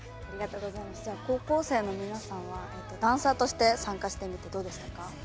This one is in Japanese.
高校生の皆さんはダンサーとして参加していかがですか？